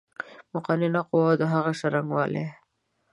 مقننه قوه اود هغې څرنګوالی